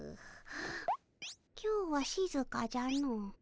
今日はしずかじゃの。